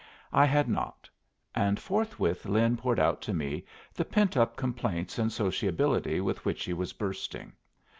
I had not; and forthwith Lin poured out to me the pent up complaints and sociability with which he was bursting.